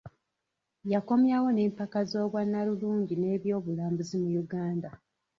Yakomyawo n'empaka z'obwannalulungi n'ebyobulambuzi mu Uganda